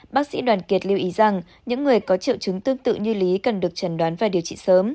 bác sĩ đoàn kiệt lưu ý rằng những người có triệu chứng tương tự như lý cần được trần đoán và điều trị sớm